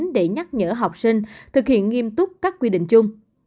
để nhắc nhở học sinh thực hiện nghiêm túc các quy định chung